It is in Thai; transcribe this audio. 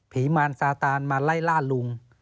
มารซาตานมาไล่ล่าลุง